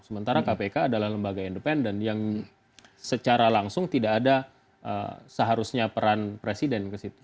sementara kpk adalah lembaga independen yang secara langsung tidak ada seharusnya peran presiden ke situ